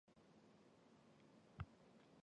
特拉普是法国法兰西岛大区伊夫林省的城市。